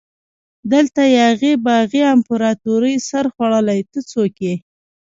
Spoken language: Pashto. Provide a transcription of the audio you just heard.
دلته یاغي باغي امپراتوري سرخوړلي ته څوک يي؟